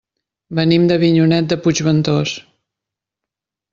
Venim d'Avinyonet de Puigventós.